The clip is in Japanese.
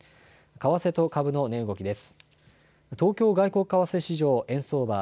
為替と株の値動きです。